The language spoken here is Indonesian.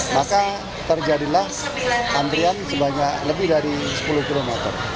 maka terjadilah antrian sebanyak lebih dari sepuluh km